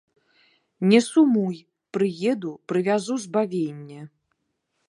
Не сумуй, прыеду, прывязу збавенне.